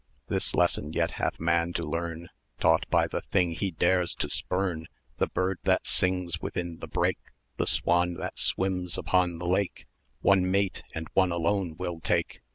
This lesson yet hath man to learn, Taught by the thing he dares to spurn: The bird that sings within the brake, The swan that swims upon the lake, 1170 One mate, and one alone, will take.